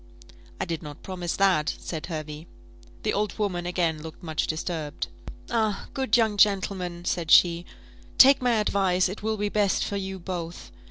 "I did not promise that," said Hervey. The old woman again looked much disturbed. "Ah, good young gentleman!" said she, "take my advice; it will be best for you both.